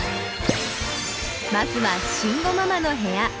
まずは「慎吾ママの部屋」。